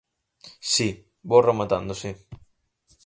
Si, vou rematando, si.